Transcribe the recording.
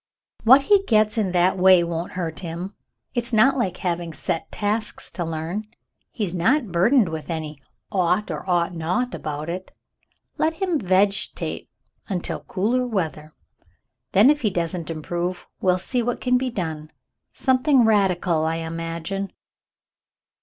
"What he gets in that way won't hurt him. It's not like having set tasks to learn, and he's not burdened with any 'ought ' or 'ought not ' about it. Let him vege tate until cooler weather. Then, if he doesn't improve, we'll see what can be done. Something radical, I imagine."